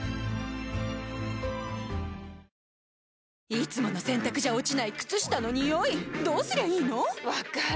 いつもの洗たくじゃ落ちない靴下のニオイどうすりゃいいの⁉分かる。